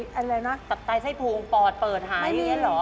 ตัดใต้ไส้พูงปอดเปิดหายอย่างนี้เหรอ